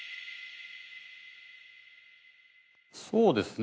そうですね